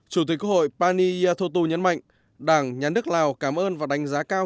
chủ tịch khu hội paniyatotu nhấn mạnh đảng nhà nước lào cảm ơn và đánh giá cao